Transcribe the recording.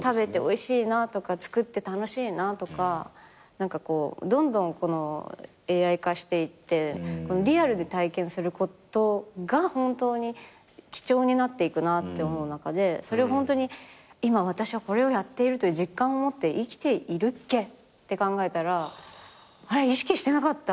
何かこうどんどんＡＩ化していってリアルで体験することが本当に貴重になっていくなって思う中でそれを今私はこれをやっているという実感を持って生きているっけって考えたらあれ意識してなかったみたいな。